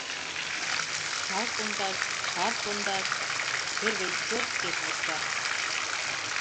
Чал-Пондаш Шар шондаш Первой чот пеш вурса